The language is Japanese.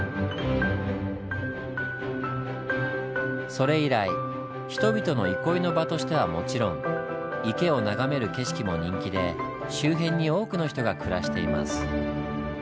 それ以来人々の憩いの場としてはもちろん池を眺める景色も人気で周辺に多くの人が暮らしています。